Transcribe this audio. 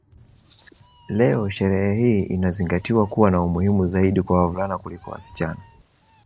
Leo sherehe hii inazingatiwa kuwa na umuhimu zaidi kwa wavulana kuliko wasichana